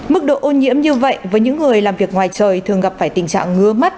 mức độ ô nhiễm như vậy với những người làm việc ngoài trời thường gặp phải tình trạng ngứa mắt